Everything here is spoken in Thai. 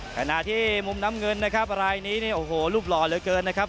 ขณะที่มุมน้ำเงินนะครับรายนี้เนี่ยโอ้โหรูปหล่อเหลือเกินนะครับ